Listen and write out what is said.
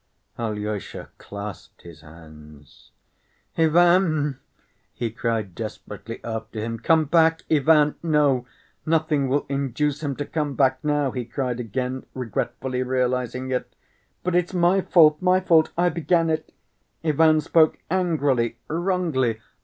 Alyosha clasped his hands. "Ivan!" he cried desperately after him. "Come back, Ivan! No, nothing will induce him to come back now!" he cried again, regretfully realizing it; "but it's my fault, my fault. I began it! Ivan spoke angrily, wrongly.